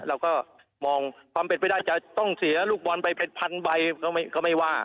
เราก็มองความเป็นไปได้จะต้องเสียลูกบอลไปเป็นพันใบก็ไม่ว่า